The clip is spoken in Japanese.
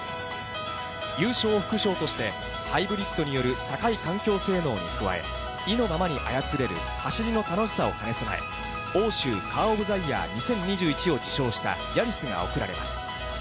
優勝副賞として、ハイブリッドによる高い環境性能に加え、意のままに操れる走りの楽しさを兼ね備え、欧州カー・オブ・ザ・イヤー２０２１を受賞したヤリスが贈られます。